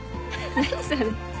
何それ。